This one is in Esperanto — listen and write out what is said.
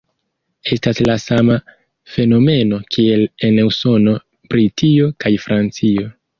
Estas la sama fenomeno kiel en Usono, Britio kaj Francio.